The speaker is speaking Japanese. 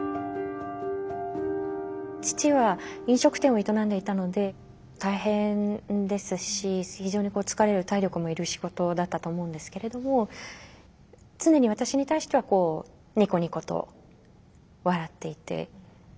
父は飲食店を営んでいたので大変ですし非常に疲れる体力もいる仕事だったと思うんですけれども常に私に対してはニコニコと笑っていて。